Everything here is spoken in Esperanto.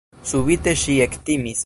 Subite ŝi ektimis.